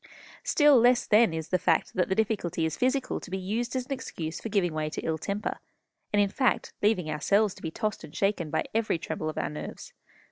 "Still less, then, is the fact that the difficulty is physical to be used as an excuse for giving way to ill temper, and, in fact, leaving ourselves to be tossed and shaken by every tremble of our nerves.